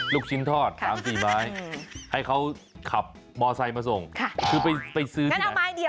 ลูกชิ้นทอดสามสี่ไม้ให้เขาขับมอเซิย์มาส่งก็ไปซื้อที่ไหน